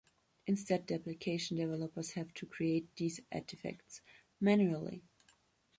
Instead the application developers have to create these artifacts manually.